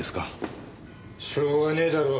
しょうがねえだろ。